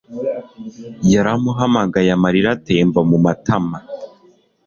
Yaramuhamagaye amarira atemba mu matama